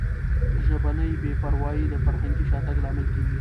ژبني بې پروایي د فرهنګي شاتګ لامل کیږي.